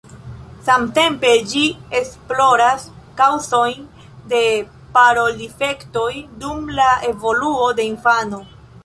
Samtempe ĝi esploras kaŭzojn de parol-difektoj dum la evoluo de infano.